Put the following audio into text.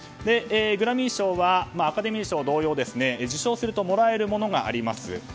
グラミー賞はアカデミー賞同様受賞するともらえるものがあります。